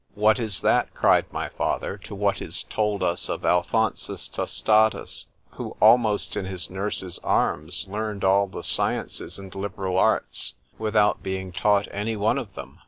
——What is that, cried my father, to what is told us of Alphonsus Tostatus, who, almost in his nurse's arms, learned all the sciences and liberal arts without being taught any one of them?